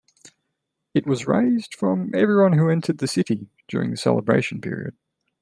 It was raised from everyone who entered the city during the celebration period.